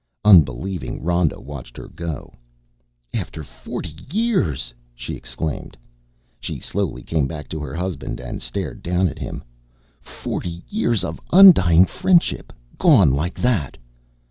Unbelieving, Rhoda watched her go. "After forty years!" she exclaimed. She slowly came back to her husband and stared down at him. "Forty years of 'undying' friendship, gone like that!"